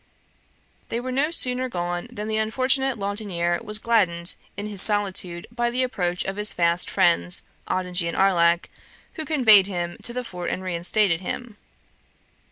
They were no sooner gone than the unfortunate Laudonniere was gladdened in his solitude by the approach of his fast friends Ottigny and Arlac, who conveyed him to the fort and reinstated him.